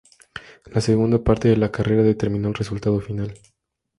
La segunda parte de la carrera determino el resultado final.